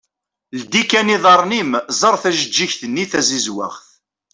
Ldi kan iḍarren-im ẓer tajeğğigt-nni tazizwaɣt.